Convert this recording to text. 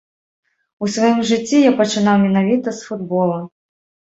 У сваім жыцці я пачынаў менавіта з футбола.